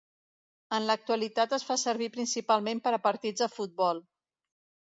En l'actualitat es fa servir principalment per a partits de futbol.